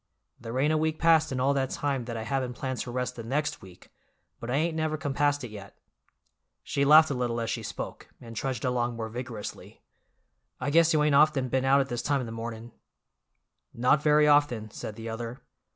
There ain't a week passed in all that time that I haven't planned to rest the next week, but I ain't never compassed it yet." She laughed a little as she spoke, and trudged along more vigorously. "I guess you ain't often been out at this time in the mornin'." "Not very often," said the other.